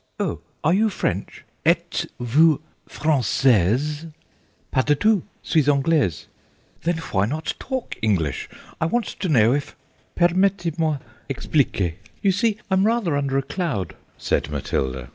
"Oh, are you French? Êtes vous française?" "Pas de tous. 'Suis anglaise." "Then why not talk English? I want to know if—" "Permettez moi expliquer. You see, I'm rather under a cloud," said Matilda.